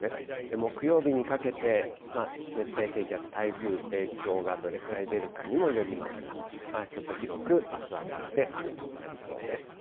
木曜日にかけて、熱帯低気圧、台風、影響がどれぐらい出るかにもよりますが、ちょっと広く、あす、あさって雨となりそうです。